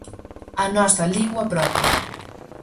A nosa lingua propia.